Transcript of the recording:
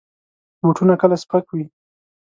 بوټونه کله سپک وي.